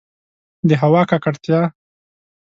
د هوا ککړتیا